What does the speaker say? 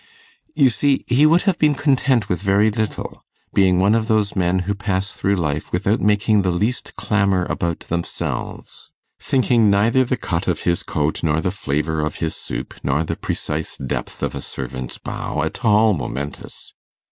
You see, he would have been content with very little, being one of those men who pass through life without making the least clamour about themselves; thinking neither the cut of his coat, nor the flavour of his soup, nor the precise depth of a servant's bow, at all momentous.